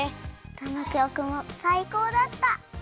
どのきょくもさいこうだった！